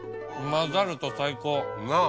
混ざると最高。なぁ。